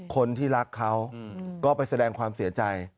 คนที่รักเขาก็ไปแสดงความเสียใจ